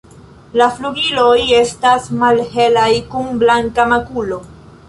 La flugiloj estas malhelaj kun blanka makulo.